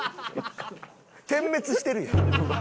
点滅してるやん。